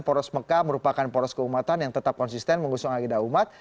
poros mekah merupakan poros keumatan yang tetap konsisten mengusung agenda umat